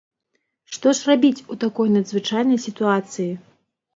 Што ж рабіць у такой надзвычайнай сітуацыі?